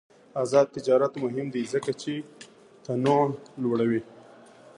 آزاد تجارت مهم دی ځکه چې تنوع لوړوی.